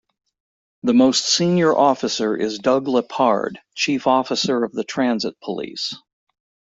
The most senior officer is Doug LePard, Chief Officer of the Transit Police.